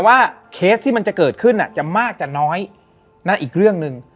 เคสที่มันจะเกิดขึ้นจะมากจะน้อยนั่นอีกเรื่องหนึ่ง